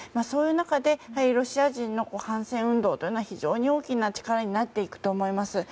そういう中でロシア人の反戦運動というのは非常に大きな力になっていくと思います。